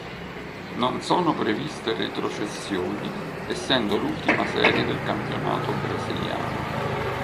Non sono previste retrocessioni essendo l'ultima serie del campionato brasiliano.